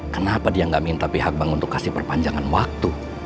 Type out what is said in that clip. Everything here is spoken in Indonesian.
kenapa dia nggak minta pihak bank untuk kasih perpanjangan waktu